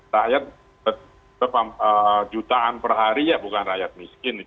rakyat jutaan per hari ya bukan rakyat miskin